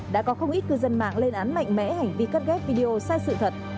đã có không ít cư dân mạng lên án mạnh mẽ hành vi cắt ghép video sai sự thật